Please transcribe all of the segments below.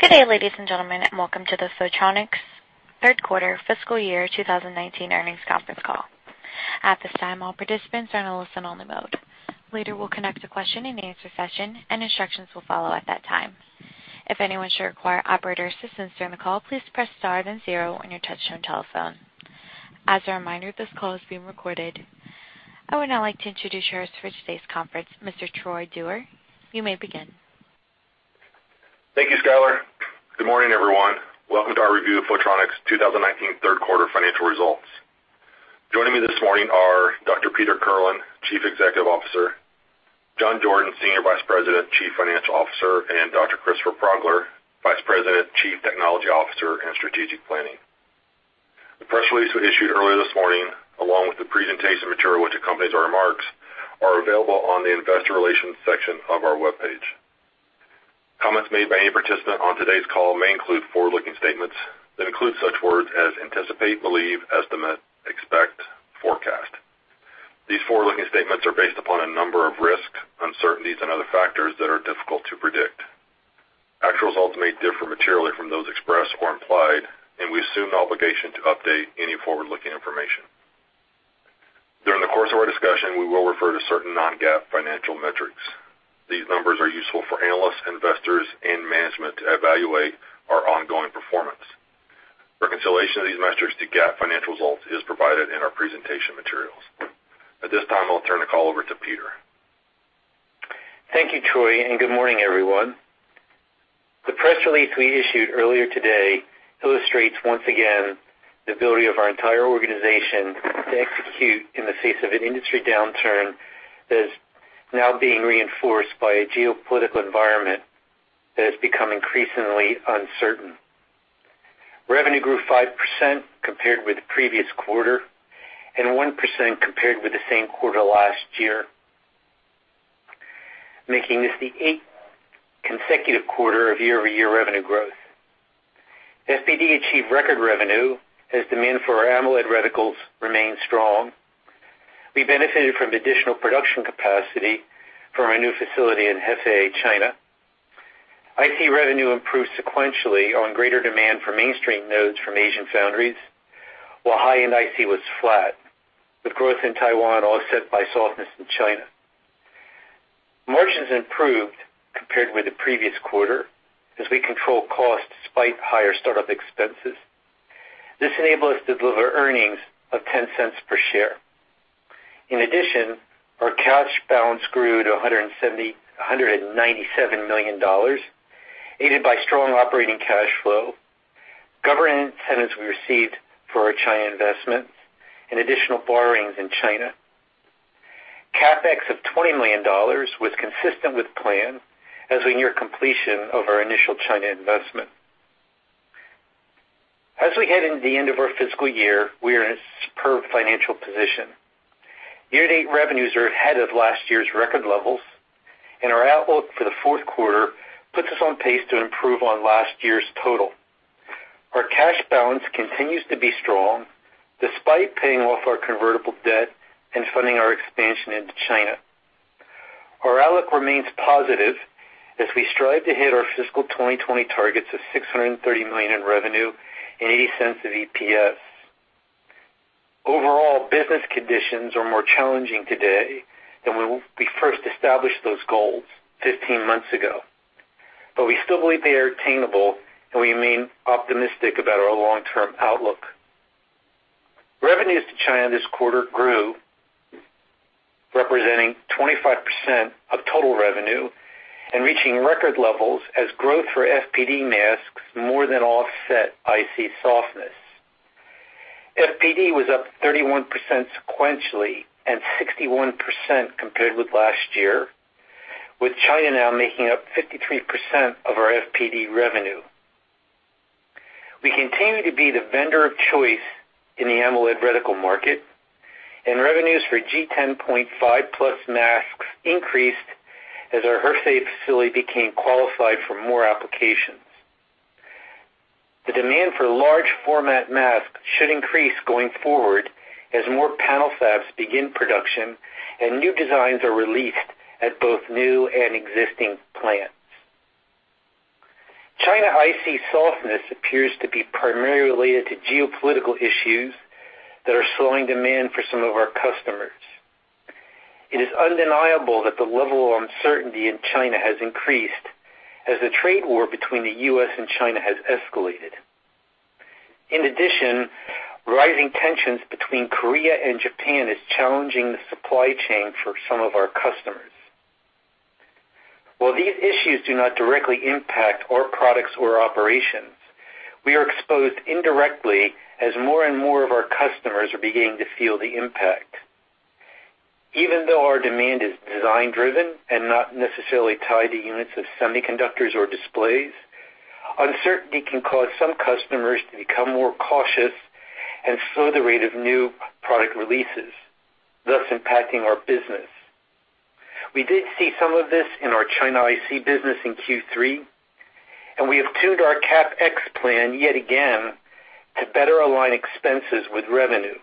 Good day, ladies and gentlemen, and welcome to the Photronics third quarter Fiscal Year 2019 Earnings Conference Call. At this time, all participants are in a listen-only mode. The operator will conduct a question-and-answer session, and instructions will follow at that time. If anyone should require operator assistance during the call, please press star then zero on your touch-tone telephone. As a reminder, this call is being recorded. I would now like to introduce your host for today's conference, Mr. Troy Dewar. You may begin. Thank you, Skyler. Good morning, everyone. Welcome to our review of Photronics 2019 third quarter financial results. Joining me this morning are Dr. Peter Kirlin, Chief Executive Officer, John Jordan, Senior Vice President and Chief Financial Officer, and Dr. Christopher Progler, Vice President, Chief Technology Officer, and Strategic Planning. The press release we issued earlier this morning, along with the presentation material which accompanies our remarks, are available on the Investor Relations section of our webpage. Comments made by any participant on today's call may include forward-looking statements that include such words as anticipate, believe, estimate, expect, forecast. These forward-looking statements are based upon a number of risks, uncertainties, and other factors that are difficult to predict. Actual results may differ materially from those expressed or implied, and we assume the obligation to update any forward-looking information. During the course of our discussion, we will refer to certain non-GAAP financial metrics. These numbers are useful for analysts, investors, and management to evaluate our ongoing performance. Reconciliation of these metrics to GAAP financial results is provided in our presentation materials. At this time, I'll turn the call over to Peter. Thank you, Troy, and good morning, everyone. The press release we issued earlier today illustrates once again the ability of our entire organization to execute in the face of an industry downturn that is now being reinforced by a geopolitical environment that has become increasingly uncertain. Revenue grew 5% compared with the previous quarter and 1% compared with the same quarter last year, making this the eighth consecutive quarter of year-over-year revenue growth. FPD achieved record revenue as demand for our AMOLED reticles remained strong. We benefited from additional production capacity from our new facility in Hefei, China. IC revenue improved sequentially on greater demand for mainstream nodes from Asian foundries, while high-end IC was flat, with growth in Taiwan offset by softness in China. Margins improved compared with the previous quarter as we controlled costs despite higher startup expenses. This enabled us to deliver earnings of 10 cents per share. In addition, our cash balance grew to $197 million, aided by strong operating cash flow, government incentives we received for our China investments, and additional borrowings in China. CapEx of $20 million was consistent with plan as we near completion of our initial China investment. As we head into the end of our fiscal year, we are in a superb financial position. Year-to-date revenues are ahead of last year's record levels, and our outlook for the 4th quarter puts us on pace to improve on last year's total. Our cash balance continues to be strong despite paying off our convertible debt and funding our expansion into China. Our outlook remains positive as we strive to hit our fiscal 2020 targets of $630 million in revenue and 80 cents of EPS. Overall, business conditions are more challenging today than when we first established those goals 15 months ago, but we still believe they are attainable, and we remain optimistic about our long-term outlook. Revenues to China this quarter grew, representing 25% of total revenue, and reaching record levels as growth for FPD masks more than offset IC softness. FPD was up 31% sequentially and 61% compared with last year, with China now making up 53% of our FPD revenue. We continue to be the vendor of choice in the AMOLED reticle market, and revenues for G10.5+ masks increased as our Hefei facility became qualified for more applications. The demand for large-format masks should increase going forward as more panel fabs begin production and new designs are released at both new and existing plants. China IC softness appears to be primarily related to geopolitical issues that are slowing demand for some of our customers. It is undeniable that the level of uncertainty in China has increased as the trade war between the U.S. and China has escalated. In addition, rising tensions between Korea and Japan are challenging the supply chain for some of our customers. While these issues do not directly impact our products or operations, we are exposed indirectly as more and more of our customers are beginning to feel the impact. Even though our demand is design-driven and not necessarily tied to units of semiconductors or displays, uncertainty can cause some customers to become more cautious and slow the rate of new product releases, thus impacting our business. We did see some of this in our China IC business in Q3, and we have tuned our CapEx plan yet again to better align expenses with revenue.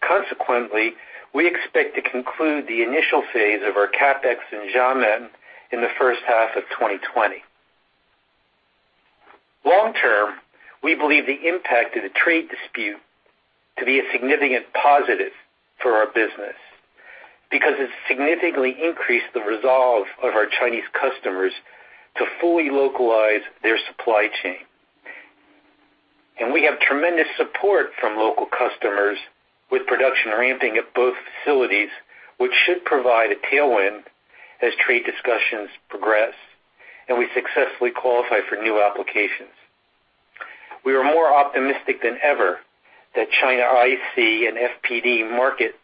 Consequently, we expect to conclude the initial phase of our CapEx in Xiamen in the first half of 2020. Long-term, we believe the impact of the trade dispute to be a significant positive for our business because it significantly increased the resolve of our Chinese customers to fully localize their supply chain, and we have tremendous support from local customers with production ramping at both facilities, which should provide a tailwind as trade discussions progress and we successfully qualify for new applications. We are more optimistic than ever that China IC and FPD markets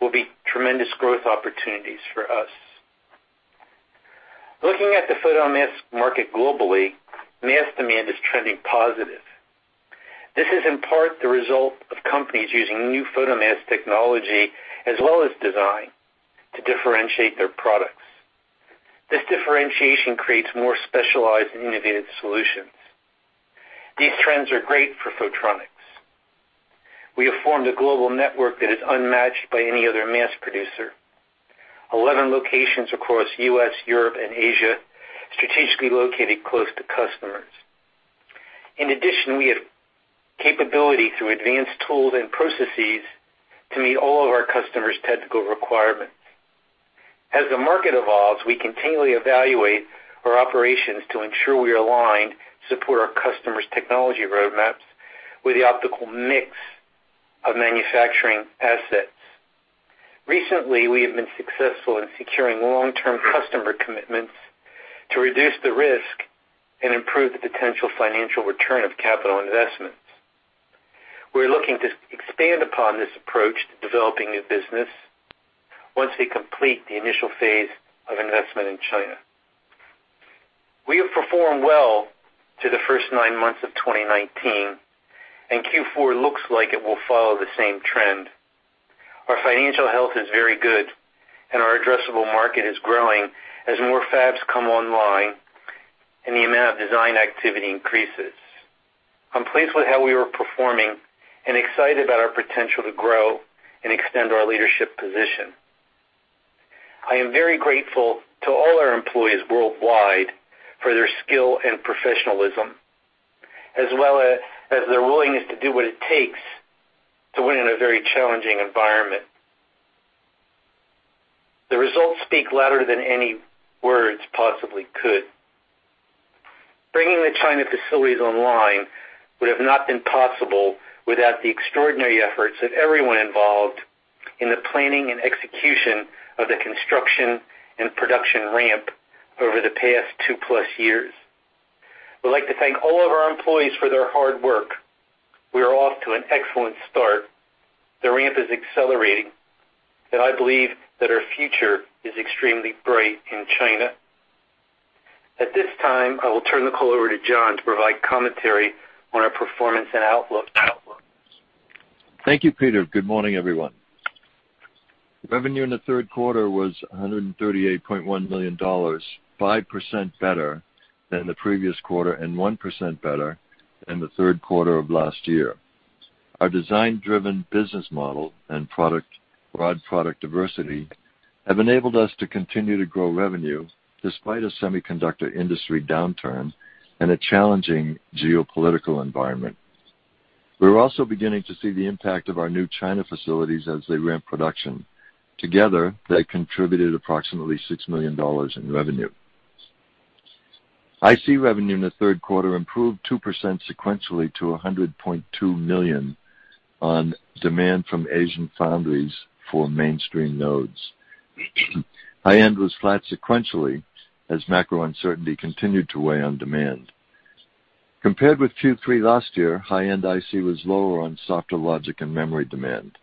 will be tremendous growth opportunities for us. Looking at the photomask market globally, mask demand is trending positive. This is in part the result of companies using new photomask technology as well as design to differentiate their products. This differentiation creates more specialized and innovative solutions. These trends are great for Photronics. We have formed a global network that is unmatched by any other mask producer: 11 locations across the U.S., Europe, and Asia, strategically located close to customers. In addition, we have capability through advanced tools and processes to meet all of our customers' technical requirements. As the market evolves, we continually evaluate our operations to ensure we align and support our customers' technology roadmaps with the optical mix of manufacturing assets. Recently, we have been successful in securing long-term customer commitments to reduce the risk and improve the potential financial return of capital investments. We are looking to expand upon this approach to developing new business once we complete the initial phase of investment in China. We have performed well through the first nine months of 2019, and Q4 looks like it will follow the same trend. Our financial health is very good, and our addressable market is growing as more fabs come online and the amount of design activity increases. I'm pleased with how we are performing and excited about our potential to grow and extend our leadership position. I am very grateful to all our employees worldwide for their skill and professionalism, as well as their willingness to do what it takes to win in a very challenging environment. The results speak louder than any words possibly could. Bringing the China facilities online would have not been possible without the extraordinary efforts of everyone involved in the planning and execution of the construction and production ramp over the past two-plus years. I would like to thank all of our employees for their hard work. We are off to an excellent start. The ramp is accelerating, and I believe that our future is extremely bright in China. At this time, I will turn the call over to John to provide commentary on our performance and outlook. Thank you, Peter. Good morning, everyone. Revenue in the 3rd quarter was $138.1 million, 5% better than the previous quarter and 1% better than the 3rd quarter of last year. Our design-driven business model and broad product diversity have enabled us to continue to grow revenue despite a semiconductor industry downturn and a challenging geopolitical environment. We are also beginning to see the impact of our new China facilities as they ramp production. Together, they contributed approximately $6 million in revenue. IC revenue in the 3rd quarter improved 2% sequentially to $100.2 million on demand from Asian foundries for mainstream nodes. High-end was flat sequentially as macro uncertainty continued to weigh on demand. Compared with Q3 last year, high-end IC was lower on softer logic and memory demand.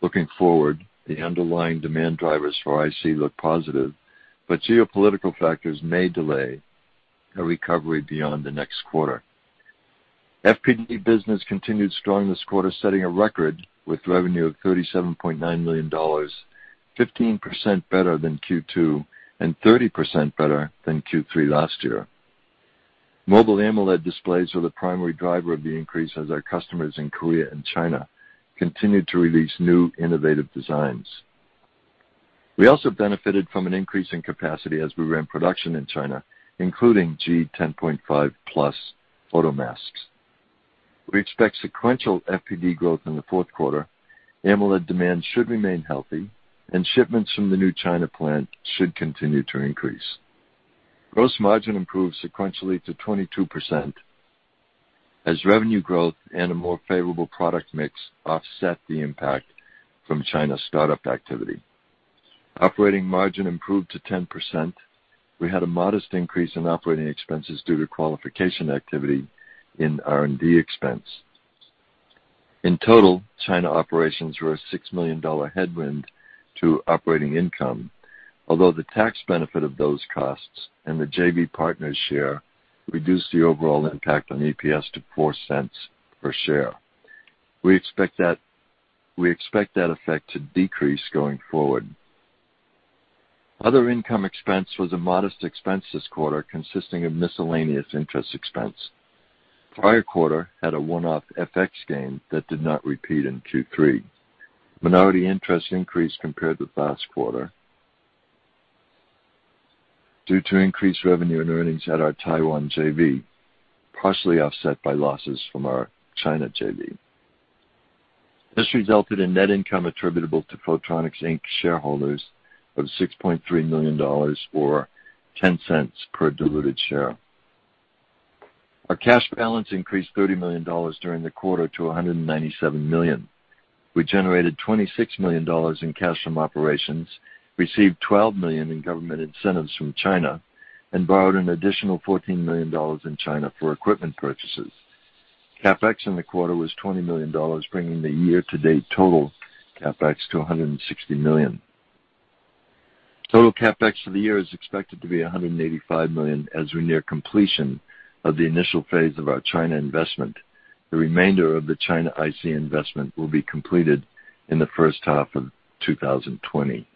Looking forward, the underlying demand drivers for IC look positive, but geopolitical factors may delay a recovery beyond the next quarter. FPD business continued strong this quarter, setting a record with revenue of $37.9 million, 15% better than Q2 and 30% better than Q3 last year. Mobile AMOLED displays were the primary driver of the increase as our customers in Korea and China continued to release new innovative designs. We also benefited from an increase in capacity as we ramped production in China, including G10.5+ photomasks. We expect sequential FPD growth in the 4th quarter. AMOLED demand should remain healthy, and shipments from the new China plant should continue to increase. Gross margin improved sequentially to 22% as revenue growth and a more favorable product mix offset the impact from China startup activity. Operating margin improved to 10%. We had a modest increase in operating expenses due to qualification activity in R&D expense. In total, China operations were a $6 million headwind to operating income, although the tax benefit of those costs and the JV partners' share reduced the overall impact on EPS to 4 cents per share. We expect that effect to decrease going forward. Other income expense was a modest expense this quarter, consisting of miscellaneous interest expense. Prior quarter had a one-off FX gain that did not repeat in Q3. Minority interest increased compared with last quarter due to increased revenue and earnings at our Taiwan JV, partially offset by losses from our China JV. This resulted in net income attributable to Photronics, Inc. shareholders of $6.3 million or 10 cents per diluted share. Our cash balance increased $30 million during the quarter to $197 million. We generated $26 million in cash from operations, received $12 million in government incentives from China, and borrowed an additional $14 million in China for equipment purchases. CapEx in the quarter was $20 million, bringing the year-to-date total CapEx to $160 million. Total CapEx for the year is expected to be $185 million as we near completion of the initial phase of our China investment. The remainder of the China IC investment will be completed in the first half of 2020.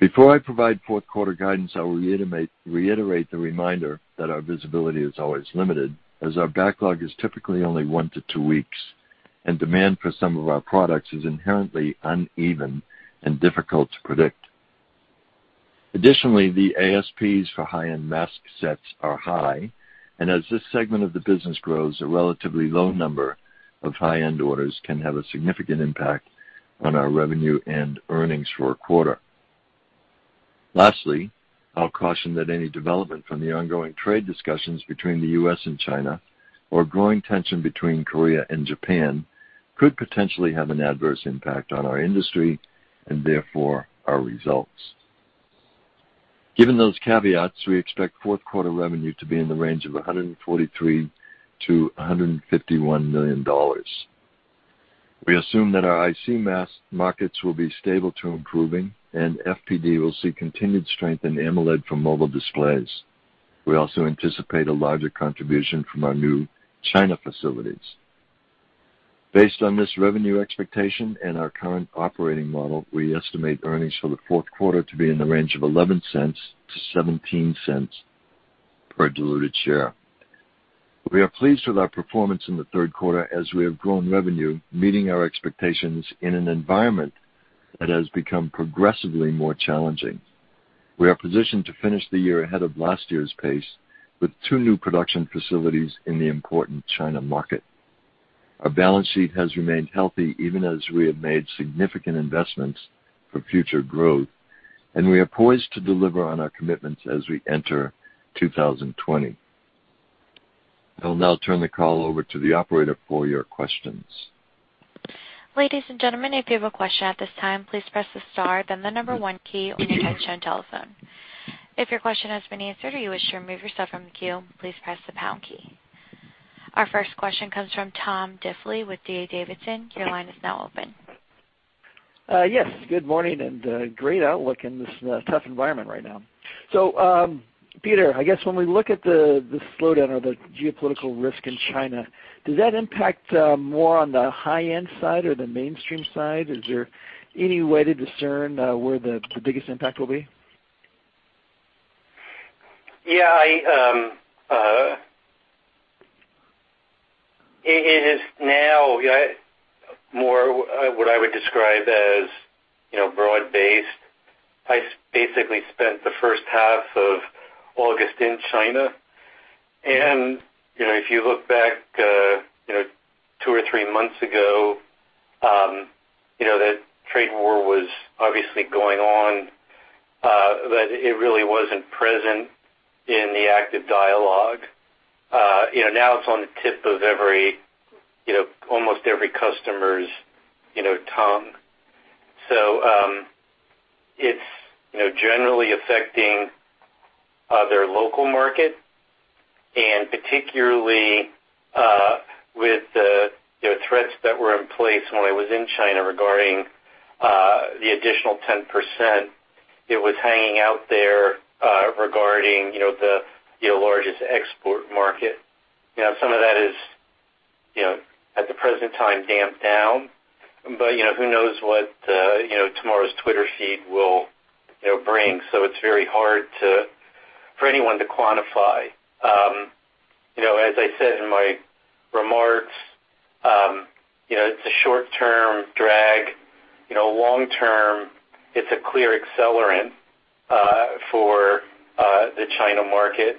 Before I provide 4th quarter guidance, I will reiterate the reminder that our visibility is always limited as our backlog is typically only one to two weeks, and demand for some of our products is inherently uneven and difficult to predict. Additionally, the ASPs for high-end mask sets are high, and as this segment of the business grows, a relatively low number of high-end orders can have a significant impact on our revenue and earnings for a quarter. Lastly, I'll caution that any development from the ongoing trade discussions between the U.S. and China or growing tension between Korea and Japan could potentially have an adverse impact on our industry and therefore our results. Given those caveats, we expect 4th quarter revenue to be in the range of $143-$151 million. We assume that our IC markets will be stable to improving, and FPD will see continued strength in AMOLED for mobile displays. We also anticipate a larger contribution from our new China facilities. Based on this revenue expectation and our current operating model, we estimate earnings for the 4th quarter to be in the range of $0.11 to $0.17 per diluted share. We are pleased with our performance in the 3rd quarter as we have grown revenue, meeting our expectations in an environment that has become progressively more challenging. We are positioned to finish the year ahead of last year's pace with two new production facilities in the important China market. Our balance sheet has remained healthy even as we have made significant investments for future growth, and we are poised to deliver on our commitments as we enter 2020. I'll now turn the call over to the operator for your questions. Ladies and gentlemen, if you have a question at this time, please press the star, then the number one key, or you can type show and telephone. If your question has been answered or you wish to remove yourself from the queue, please press the pound key. Our first question comes from Tom Diffely with D.A. Davidson. Your line is now open. Yes. Good morning and great outlook in this tough environment right now, so Peter, I guess when we look at the slowdown or the geopolitical risk in China, does that impact more on the high-end side or the mainstream side? Is there any way to discern where the biggest impact will be? Yeah. It is now more what I would describe as broad-based. I basically spent the first half of August in China, and if you look back two or three months ago, the trade war was obviously going on, but it really wasn't present in the active dialogue. Now it's on the tip of almost every customer's tongue, so it's generally affecting their local market, and particularly with the threats that were in place when I was in China regarding the additional 10%, it was hanging out there regarding the largest export market. Some of that is, at the present time, damped down, but who knows what tomorrow's Twitter feed will bring, so it's very hard for anyone to quantify. As I said in my remarks, it's a short-term drag. Long-term, it's a clear accelerant for the China market,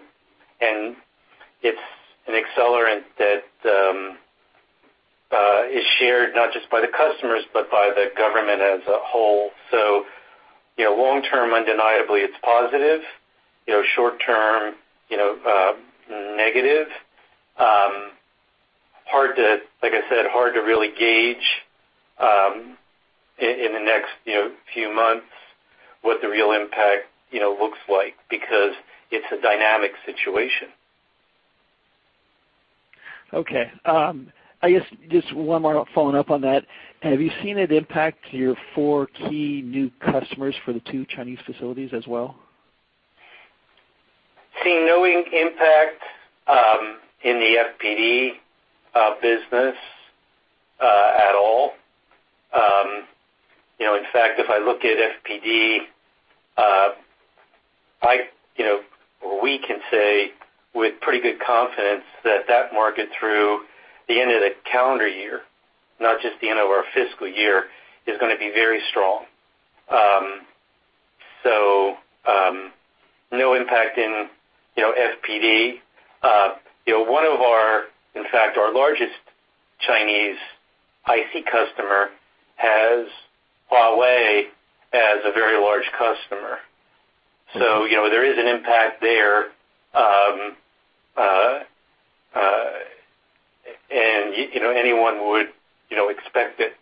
and it's an accelerant that is shared not just by the customers but by the government as a whole. So long-term, undeniably, it's positive. Short-term, negative. Like I said, hard to really gauge in the next few months what the real impact looks like because it's a dynamic situation. Okay. I guess just one more, following up on that. Have you seen it impact your four key new customers for the two Chinese facilities as well? See, no impact in the FPD business at all. In fact, if I look at FPD, we can say with pretty good confidence that that market through the end of the calendar year, not just the end of our fiscal year, is going to be very strong. So no impact in FPD. One of our, in fact, our largest Chinese IC customer has Huawei as a very large customer. So there is an impact there, and anyone would expect it.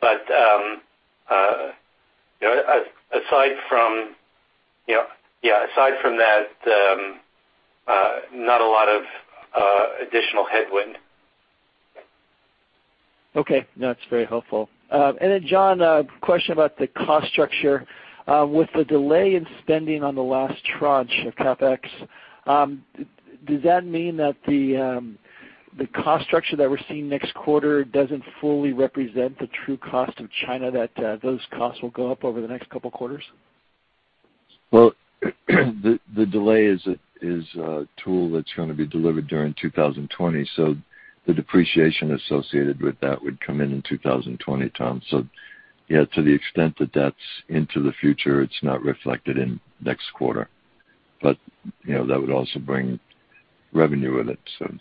But aside from that, not a lot of additional headwind. Okay. That's very helpful. And then, John, a question about the cost structure. With the delay in spending on the last tranche of CapEx, does that mean that the cost structure that we're seeing next quarter doesn't fully represent the true cost of China, that those costs will go up over the next couple of quarters? The delay is a tool that's going to be delivered during 2020. The depreciation associated with that would come in in 2020, Tom. Yeah, to the extent that that's into the future, it's not reflected in next quarter. That would also bring revenue with it, so.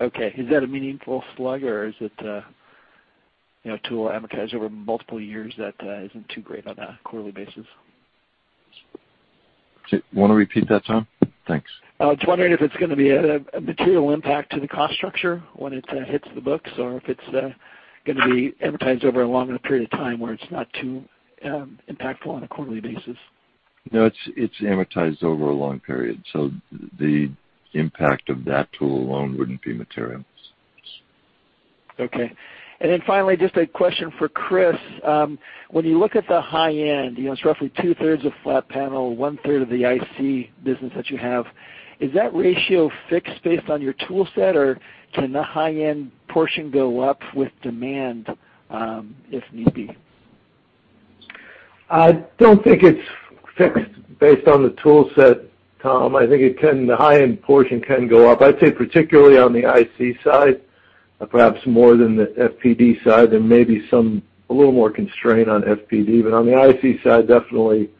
Okay. Is that a meaningful slug, or is it a tool amortized over multiple years that isn't too great on a quarterly basis? Want to repeat that, Tom? Thanks. I was wondering if it's going to be a material impact to the cost structure when it hits the books or if it's going to be amortized over a longer period of time where it's not too impactful on a quarterly basis? No, it's amortized over a long period. So the impact of that tool alone wouldn't be material. Okay. And then finally, just a question for Chris. When you look at the high-end, it's roughly two-thirds of flat panel, one-third of the IC business that you have. Is that ratio fixed based on your tool set, or can the high-end portion go up with demand if need be? I don't think it's fixed based on the tool set, Tom. I think the high-end portion can go up. I'd say particularly on the IC side, perhaps more than the FPD side. There may be a little more constraint on FPD, but on the IC side, definitely,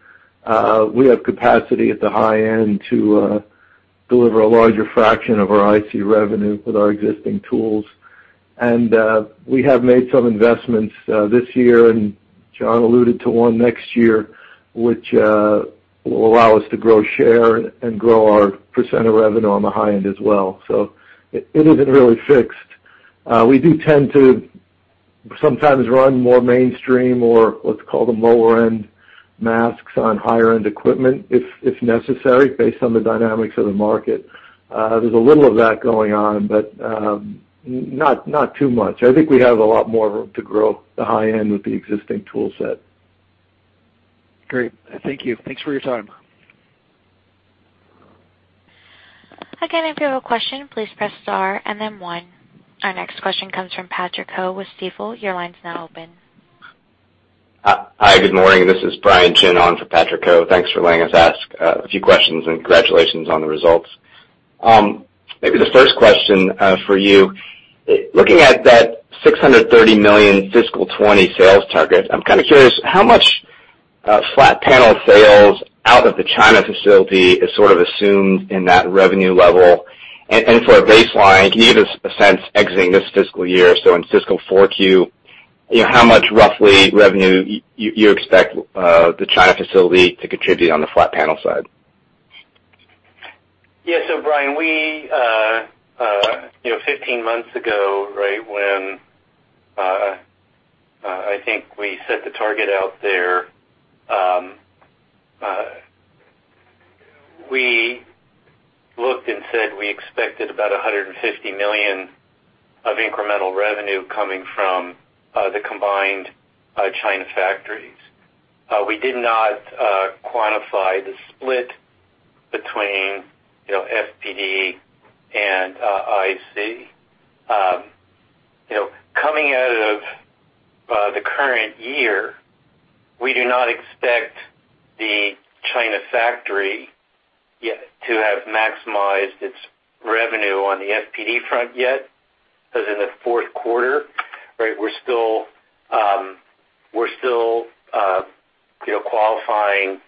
we have capacity at the high end to deliver a larger fraction of our IC revenue with our existing tools, and we have made some investments this year, and John alluded to one next year, which will allow us to grow share and grow our percent of revenue on the high end as well, so it isn't really fixed. We do tend to sometimes run more mainstream or what's called the lower-end masks on higher-end equipment if necessary based on the dynamics of the market. There's a little of that going on, but not too much. I think we have a lot more to grow the high end with the existing tool set. Great. Thank you. Thanks for your time. Again, if you have a question, please press star and then one. Our next question comes from Patrick Ho with Stifel. Your line's now open. Hi, good morning. This is Brian Chin from Patrick Ho. Thanks for letting us ask a few questions and congratulations on the results. Maybe the first question for you. Looking at that $630 million fiscal 2020 sales target, I'm kind of curious how much flat panel sales out of the China facility is sort of assumed in that revenue level. And for a baseline, can you give us a sense exiting this fiscal year, so in fiscal 4Q, how much roughly revenue you expect the China facility to contribute on the flat panel side? Yeah. So, Brian, 15 months ago, right, when I think we set the target out there, we looked and said we expected about $150 million of incremental revenue coming from the combined China factories. We did not quantify the split between FPD and IC. Coming out of the current year, we do not expect the China factory to have maximized its revenue on the FPD front yet because in the fourth quarter, right, we're still qualifying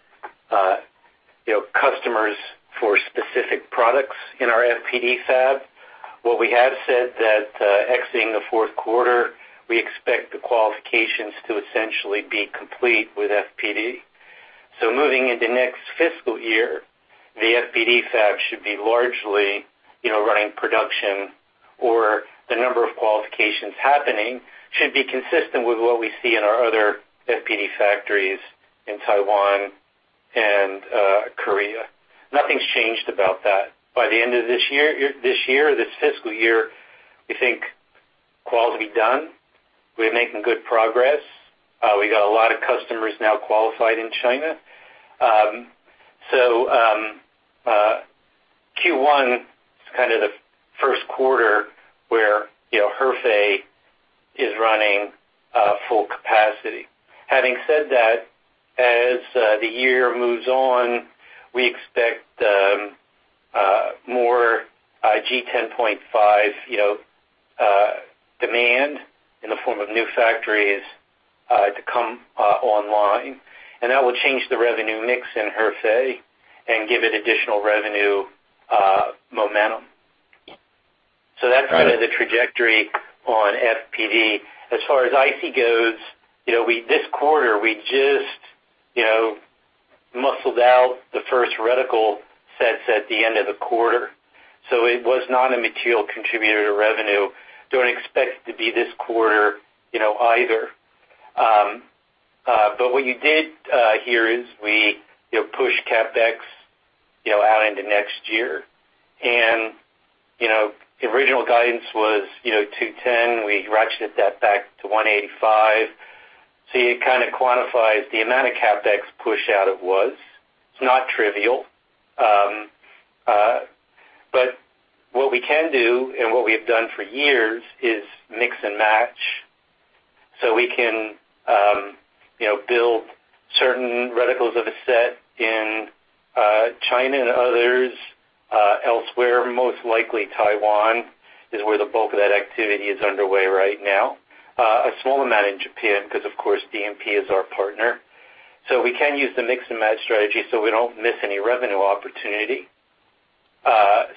customers for specific products in our FPD fab. What we have said that exiting the fourth quarter, we expect the qualifications to essentially be complete with FPD. So moving into next fiscal year, the FPD fab should be largely running production or the number of qualifications happening should be consistent with what we see in our other FPD factories in Taiwan and Korea. Nothing's changed about that. By the end of this year, this fiscal year, we think quality done. We're making good progress. We got a lot of customers now qualified in China. So Q1 is kind of the first quarter where Hefei is running full capacity. Having said that, as the year moves on, we expect more G10.5 demand in the form of new factories to come online. That will change the revenue mix in Hefei and give it additional revenue momentum. So that's kind of the trajectory on FPD. As far as IC goes, this quarter, we just shipped out the first reticle sets at the end of the quarter. So it was not a material contributor to revenue. Don't expect it to be this quarter either. What you did here is we pushed CapEx out into next year. Original guidance was $210 million. We ratcheted that back to $185 million. So you kind of quantify the amount of CapEx push-out it was. It's not trivial. But what we can do and what we have done for years is mix and match. So we can build certain reticles of a set in China and others elsewhere. Most likely, Taiwan is where the bulk of that activity is underway right now. A small amount in Japan because, of course, DNP is our partner. So we can use the mix and match strategy so we don't miss any revenue opportunity.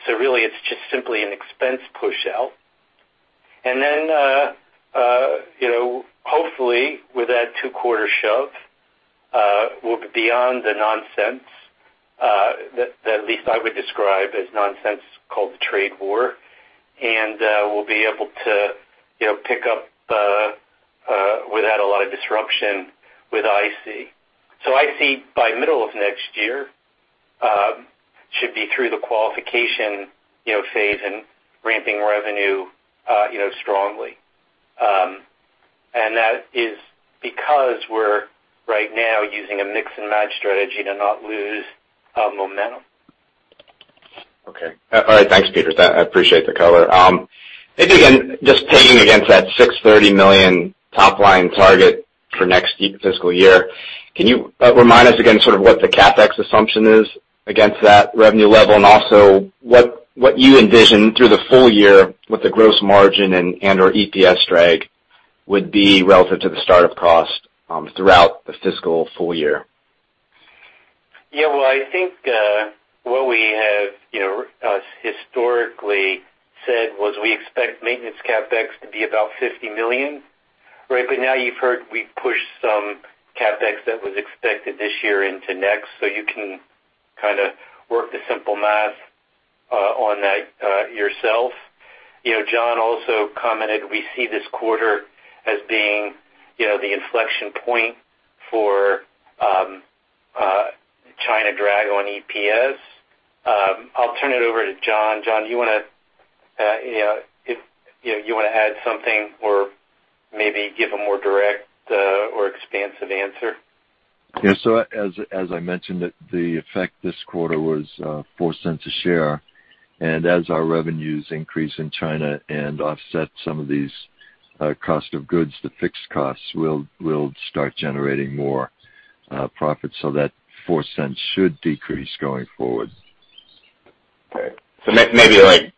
So really, it's just simply an expense push-out. And then hopefully, with that two-quarter shove, we'll be beyond the nonsense that at least I would describe as nonsense called the trade war and will be able to pick up without a lot of disruption with IC. So IC by middle of next year should be through the qualification phase and ramping revenue strongly. That is because we're right now using a mix and match strategy to not lose momentum. Okay. All right. Thanks, Peter. I appreciate the color. Maybe again, just pegging against that $630 million top-line target for next fiscal year, can you remind us again sort of what the CapEx assumption is against that revenue level and also what you envision through the full year with the gross margin and/or EPS drag would be relative to the startup cost throughout the fiscal full year? Yeah. Well, I think what we have historically said was we expect maintenance CapEx to be about $50 million. Right. But now you've heard we pushed some CapEx that was expected this year into next. So you can kind of work the simple math on that yourself. John also commented we see this quarter as being the inflection point for China drag on EPS. I'll turn it over to John. John, do you want to add something or maybe give a more direct or expansive answer? Yeah. So as I mentioned, the effect this quarter was $0.04 a share. And as our revenues increase in China and offset some of these cost of goods, the fixed costs will start generating more profit. So that $0.04 should decrease going forward. Okay. So maybe less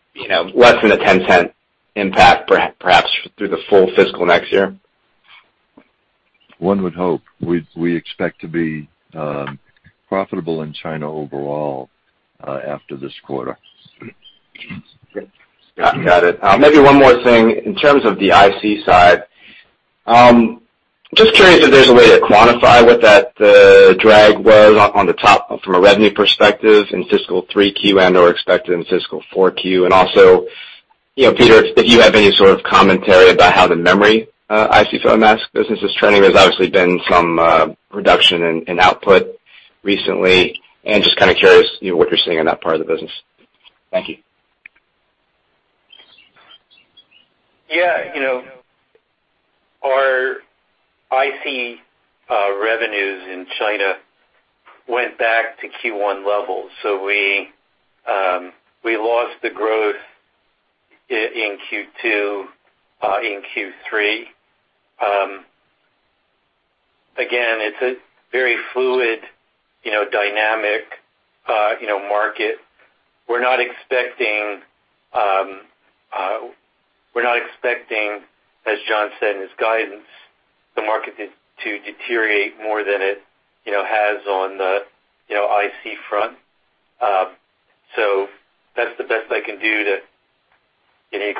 than a $0.10 impact perhaps through the full fiscal next year? One would hope. We expect to be profitable in China overall after this quarter. Got it. Maybe one more thing. In terms of the IC side, just curious if there's a way to quantify what that drag was on the top from a revenue perspective in fiscal 3Q and/or expected in fiscal 4Q. And also, Peter, if you have any sort of commentary about how the memory IC photomask business is trending. There's obviously been some reduction in output recently. And just kind of curious what you're seeing in that part of the business. Thank you. Yeah. Our IC revenues in China went back to Q1 levels. So we lost the growth in Q2, in Q3. Again, it's a very fluid, dynamic market. We're not expecting, as John said in his guidance, the market to deteriorate more than it has on the IC front. So that's the best I can do to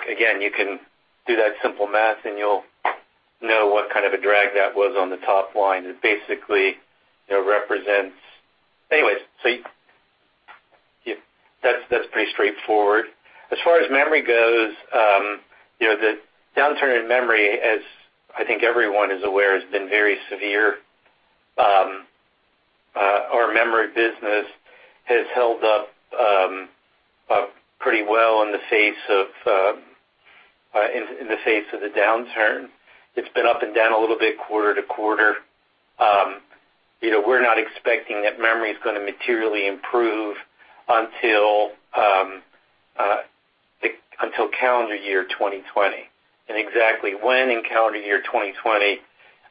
again, you can do that simple math and you'll know what kind of a drag that was on the top line that basically represents anyways. So that's pretty straightforward. As far as memory goes, the downturn in memory, as I think everyone is aware, has been very severe. Our memory business has held up pretty well in the face of the downturn. It's been up and down a little bit quarter to quarter. We're not expecting that memory is going to materially improve until calendar year 2020. Exactly when in calendar year 2020,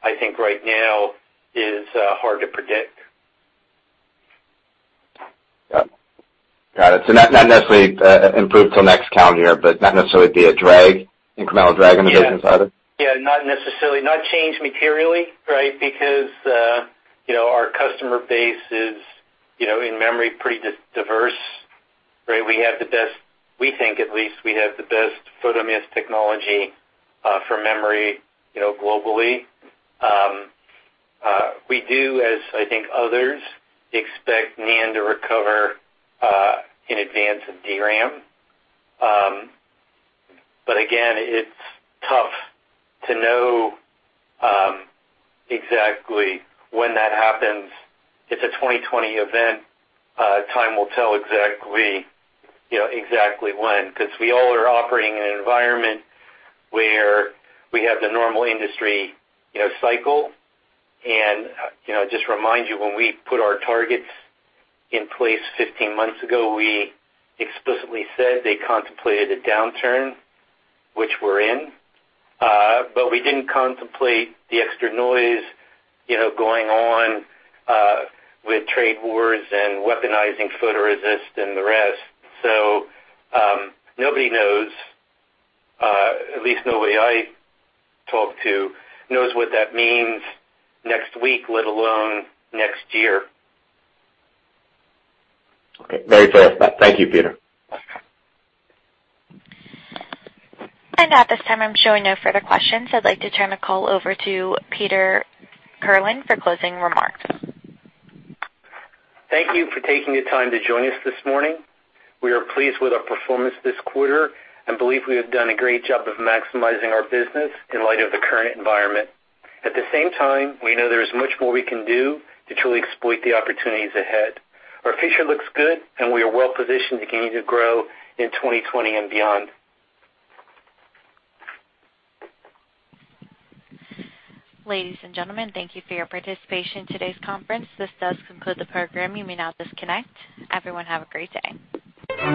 I think right now is hard to predict. Got it. So not necessarily improve till next calendar year, but not necessarily be a drag, incremental drag on the business either? Yeah. Not necessarily. Not change materially, right, because our customer base is in memory pretty diverse. Right. We have the best, we think at least we have the best photomask technology for memory globally. We do, as I think others, expect NAND to recover in advance of DRAM. But again, it's tough to know exactly when that happens. It's a 2020 event. Time will tell exactly when because we all are operating in an environment where we have the normal industry cycle. And just remind you, when we put our targets in place 15 months ago, we explicitly said they contemplated a downturn, which we're in. But we didn't contemplate the extra noise going on with trade wars and weaponizing photoresist and the rest. So nobody knows, at least nobody I talked to, knows what that means next week, let alone next year. Okay. Very clear. Thank you, Peter. And at this time, I'm showing no further questions. I'd like to turn the call over to Peter Kirlin for closing remarks. Thank you for taking the time to join us this morning. We are pleased with our performance this quarter and believe we have done a great job of maximizing our business in light of the current environment. At the same time, we know there is much more we can do to truly exploit the opportunities ahead. Our future looks good, and we are well positioned to continue to grow in 2020 and beyond. Ladies and gentlemen, thank you for your participation in today's conference. This does conclude the program. You may now disconnect. Everyone, have a great day.